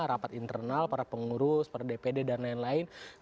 rapat internal para pengurus para dpd dan lain lain